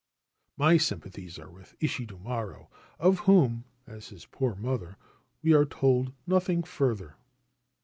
My sympathies are with Ishidomaro, of whom, as of his poor mother, we are told nothing further.